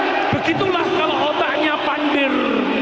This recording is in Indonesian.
ya begitulah kalau otaknya pandir